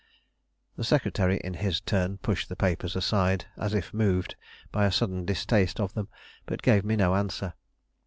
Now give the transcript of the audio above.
The secretary in his turn pushed the papers aside, as if moved by a sudden distaste of them, but gave me no answer.